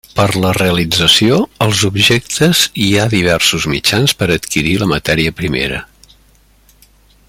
Per la realització els objectes hi ha diversos mitjans per adquirir la matèria primera.